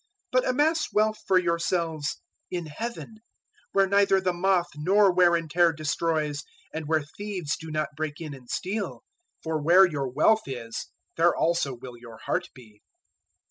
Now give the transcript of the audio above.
006:020 But amass wealth for yourselves in Heaven, where neither the moth nor wear and tear destroys, and where thieves do not break in and steal. 006:021 For where your wealth is, there also will your heart be.